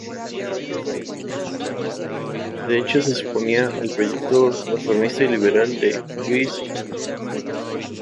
De hecho, se oponía al proyecto reformista y liberal de Luis Batlle Berres.